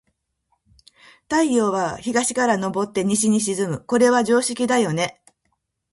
太陽は、東から昇って西に沈む。これは常識だよね。